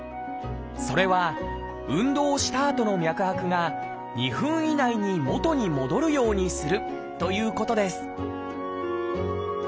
それは運動したあとの脈拍が２分以内に元に戻るようにするということです